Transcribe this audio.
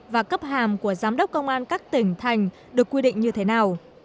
và cấp hàm của giám đốc công an các tỉnh thành được quy định như thế nào